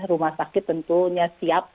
rumah sakit tentunya siap